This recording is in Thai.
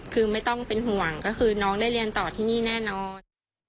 คือไม่ต้องเป็นห่วงก็คือน้องได้เรียนต่อที่นี่แน่นอน